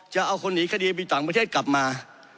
จะเอาคนหนีคดีไปต่างประเทศกลับมา